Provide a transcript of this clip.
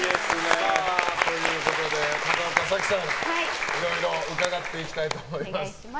高岡早紀さん、いろいろ伺っていきたいと思います。